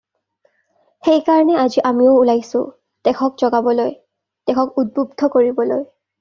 সেই কাৰণে আজি আমিও ওলাইছো দেশক জগাবলৈ, দেশক উদ্বুদ্ধ কৰিবলৈ।